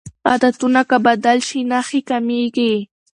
عادتونه که بدل شي نښې کمېږي.